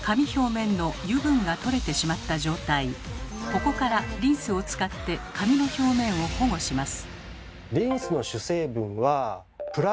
ここからリンスを使って髪の表面を保護します。